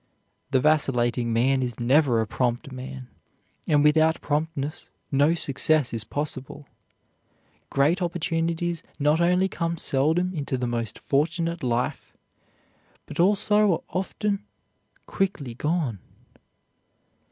The vacillating man is never a prompt man, and without promptness no success is possible. Great opportunities not only come seldom into the most fortunate life, but also are often quickly gone.